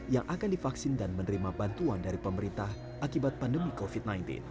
yang akan divaksin dan menerima bantuan dari pemerintah akibat pandemi covid sembilan belas